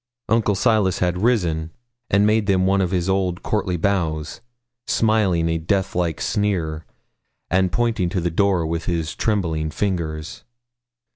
Uncle Silas had risen, and made them one of his old courtly bows, smiling a death like sneer, and pointing to the door with his trembling fingers.